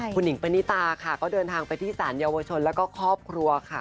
คุณหิงปณิตาค่ะก็เดินทางไปที่สารเยาวชนแล้วก็ครอบครัวค่ะ